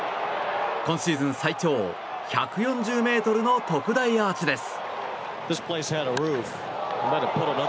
今シーズン最長１４０ｍの特大アーチです。